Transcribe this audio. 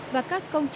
và các công trình